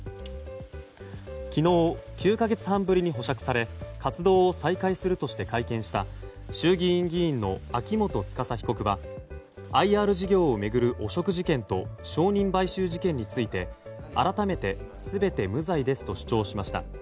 昨日、９か月半ぶりに保釈され活動を再開するとして会見した衆議院議員の秋元司被告はＩＲ事業を巡る汚職事件と証人買収事件について改めて、全て無罪ですと主張しました。